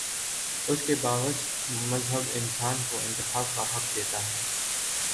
اس کے باوصف مذہب انسان کو انتخاب کا حق دیتا ہے۔